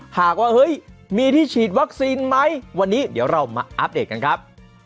หากว่าเฮ้ยมีที่ฉีดวัคซีนไหมวันนี้เดี๋ยวเรามาอัปเดตกันครับ